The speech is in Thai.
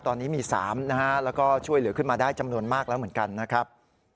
ตอนนี้มี๓นะฮะแล้วก็ช่วยเหลือขึ้นมาได้จำนวนมากแล้วเหมือนกันนะครับ